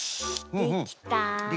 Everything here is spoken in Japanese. できた？